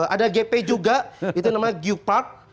ada gp juga itu namanya geopark